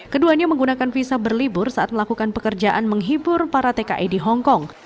keduanya menggunakan visa berlibur saat melakukan pekerjaan menghibur para tki di hongkong